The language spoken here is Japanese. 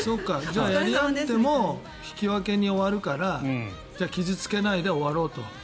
やり合っても引き分けに終わるから傷付けないで終わろうと。